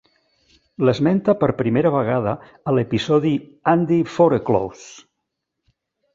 L'esmenta per primera vegada a l'episodi "Andy Forecloses".